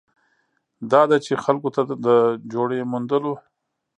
دا ده چې خلکو ته د جوړې موندلو